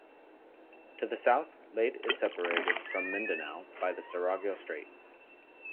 To the south, Leyte is separated from Mindanao by the Surigao Strait.